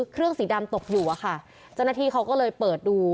เครื่องสีดำตกอยู่อะค่ะเจ้าหน้าที่เขาก็เลยเปิดดู